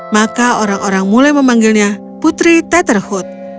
maka orang orang mulai memanggilnya putri tetherhood